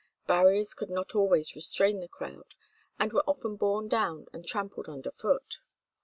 Barriers could not always restrain the crowd, and were often borne down and trampled underfoot.